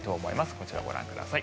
こちらご覧ください。